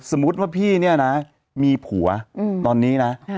สมมุติว่าพี่เนี่ยนะมีผัวตอนนี้นะ